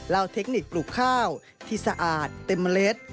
เทคนิคปลูกข้าวที่สะอาดเต็มเมล็ด